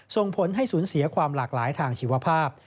ส่งผลให้สูญเสียความหลากหลายทางชีวภาพ